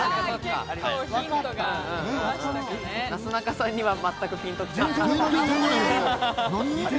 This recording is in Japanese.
なすなかさんには、まったくピンときていない。